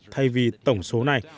thay vì tổng số này